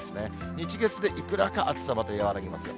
日、月でいくらか暑さ、また和らぎますよ。